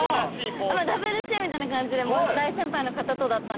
Ｗ主演みたいな感じで大先輩の方とだったんですけれど。